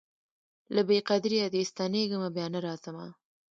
له بې قدریه دي ستنېږمه بیا نه راځمه